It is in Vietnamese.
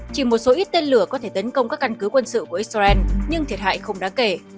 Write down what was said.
chỉ một số ít tên lửa có thể tấn công các căn cứ quân sự của israel nhưng thiệt hại không đáng kể